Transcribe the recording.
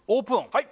はい！